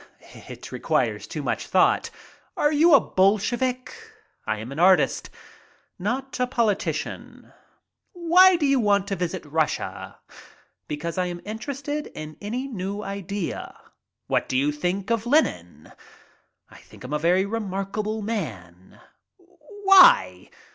"It requires too much thought." "Are you a Bolshevik?" "I am an artist, not a politician." "Why do you want to visit Russia?" "Because I am interested in any new idea." "What do you think of Lenin?" "I think him a very remarkable man." "Why?"